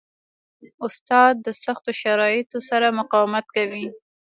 استاد د سختو شرایطو سره مقاومت کوي.